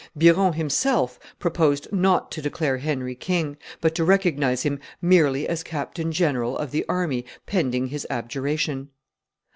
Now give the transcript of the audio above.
Biron himself proposed not to declare Henry king, but to recognize him merely as captain general of the army pending his abjuration.